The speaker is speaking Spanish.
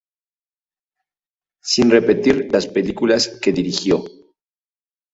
Sin repetir las películas que dirigió.